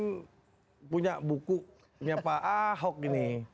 saya punya buku pak ahok ini